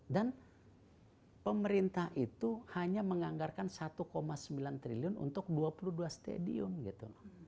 dan pemerintah itu hanya menganggarkan satu sembilan triliun untuk dua puluh dua stadion gitu